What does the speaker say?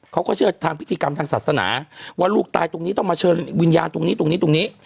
เขาก็เชื่อทางพิธีกรรมทางศาสนาว่าลูกตายตรงนี้ก็ต้องมาเชิญวิญญาณตรงนี้